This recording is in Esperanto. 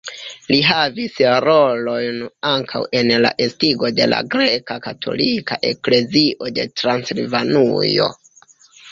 Li havis rolojn ankaŭ en la estigo de la greka katolika eklezio de Transilvanujo.